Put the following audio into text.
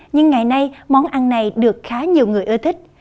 nhưng ngày nay món ăn này được khá nhiều người ưa thích